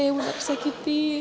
ayah bunda kesakiti